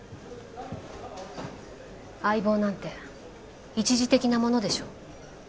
相棒なんて一時的なものでしょ？